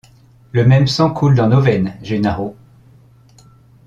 Le même sang coule dans nos veines, Gennaro!